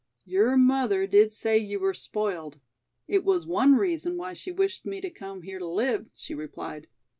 "Your mother did say you were spoiled; it was one reason why she wished me to come here to live," she replied.